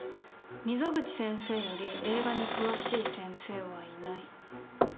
溝口先生より映画に詳しい先生はいない。